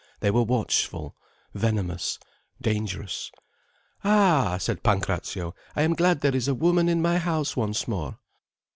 They were watchful, venomous, dangerous. "Ah," said Pancrazio, "I am glad there is a woman in my house once more."